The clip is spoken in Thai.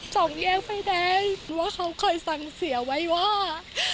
สองแยกไฟแดงว่าเขาค่อยสั่งเสียไว้ว่า